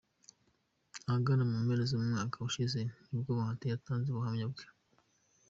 Ahagana mu mpera z'umwaka ushize nibwo Bahati yatanze ubuhamya bwe.